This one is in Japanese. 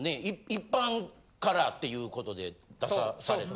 一般からっていうことで出さされて。